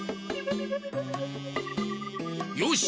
よし！